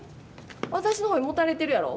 私の方にもたれてるやろ？